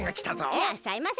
いらっしゃいませ。